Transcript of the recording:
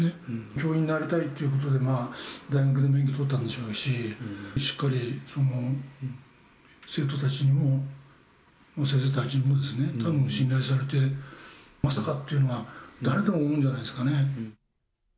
教員になりたいっていうことで、大学で免許取ったんでしょうし、しっかり生徒たちにも先生たちにもたぶん信頼されて、まさかっていうのは、誰でも思うんじゃないですかね。